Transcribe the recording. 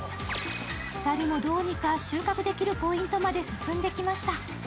２人もどうにか収穫できるポイントまで進んできました。